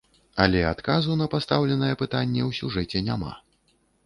Але адказу на пастаўленае пытанне ў сюжэце няма.